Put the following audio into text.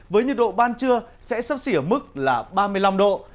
với nhiệt độ ban trưa sẽ sấp xỉ ở mức là ba mươi năm độ